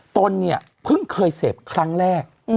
ตนเนี่ยเพิ่งเคยเสพครั้งแรก